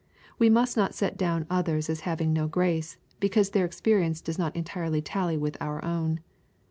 We must not set down others as having no grace, because their experience does not entirely tally with our own.